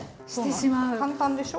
簡単でしょ。